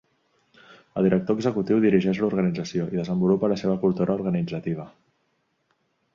El director executiu dirigeix l'organització i desenvolupa la seva cultura organitzativa.